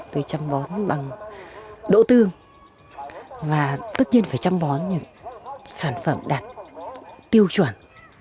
tôi chăm bón bằng đỗ tương và tất nhiên phải chăm bón những sản phẩm đạt tiêu chuẩn